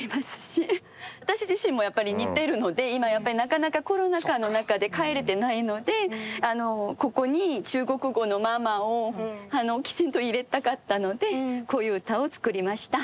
私自身もやっぱり似てるので今なかなかコロナ禍の中で帰れてないのでここに中国語の「マーマ」をきちんと入れたかったのでこういう歌を作りました。